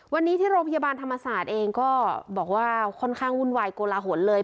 วันนี้ที่โรงพยาบาลธรรมศาสตร์เองก็บอกว่าค่อนข้างวุ่นวายโกลาหลเลย